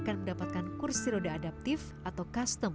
eko menggunakan kursi roda adaptif untuk mengisi tubuhnya